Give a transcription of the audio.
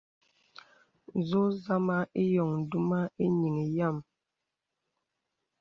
Zō zàmā ìyōŋ duma īŋìŋ yàm.